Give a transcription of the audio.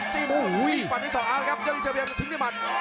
ที่ฝั่นที่๒แล้วกับยอดิเซลเหมือนทิ้งที่มัน